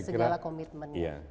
dengan segala komitmennya